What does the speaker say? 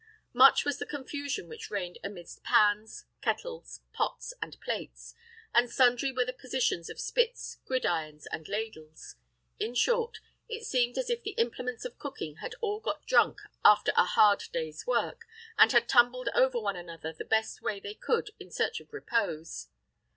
Much was the confusion which reigned amidst pans, kettles, pots, and plates; and sundry were the positions of spits, gridirons, and ladles: in short, it seemed as if the implements of cooking had all got drunk after a hard day's work, and had tumbled over one another the best way they could in search of repose.